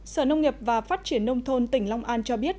sở nông nghiệp và phát triển nông thôn tỉnh long an cho biết